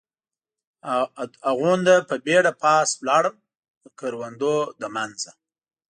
هغومره په بېړه پاس ولاړم، د کروندو له منځه.